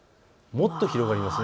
もっと広がります。